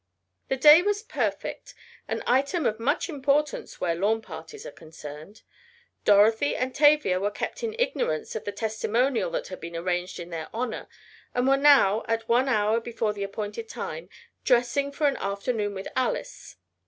The day was perfect an item of much importance where lawn parties are concerned. Dorothy and Tavia were kept in ignorance of the testimonial that had been arranged in their honor, and were now, at one hour before the appointed time, dressing for an afternoon with Alice.